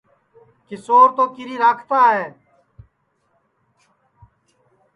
کیشور تو کیری راکھتا ہے